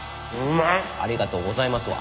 「ありがとうございます」は？